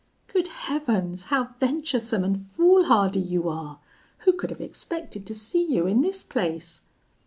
'Good heavens, how venturesome and foolhardy you are! Who could have expected to see you in this place!'